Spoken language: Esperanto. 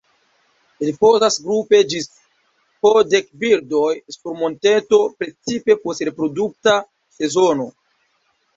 Ripozas grupe ĝis po dek birdoj sur monteto precipe post reprodukta sezono.